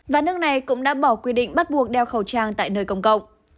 và nước này cũng đã bỏ quy định bắt buộc đeo khẩu trang tại nơi công cộng